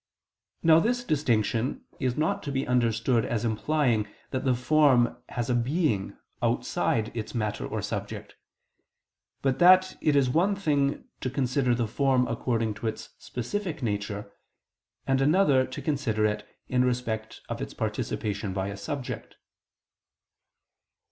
Now this distinction is not to be understood as implying that the form has a being outside its matter or subject, but that it is one thing to consider the form according to its specific nature, and another to consider it in respect of its participation by a subject.